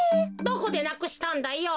どこでなくしたんだよ？